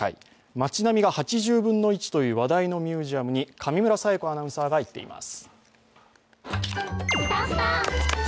町並みが８０分の１という世界に話題のミュージアムに上村彩子アナウンサーが行っています。